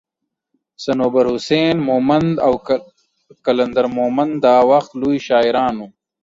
صنوبر حسين مومند او قلندر مومند دا وخت لوي شاعران وو